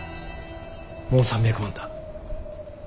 もう３００万だ。